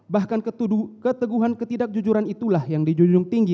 bahkan keteguhan ketidakjujuran itulah yang dijunjung tinggi